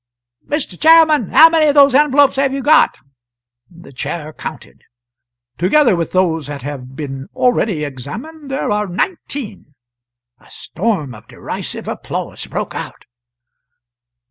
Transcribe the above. "Mr. Chairman, how many of those envelopes have you got?" The Chair counted. "Together with those that have been already examined, there are nineteen." A storm of derisive applause broke out.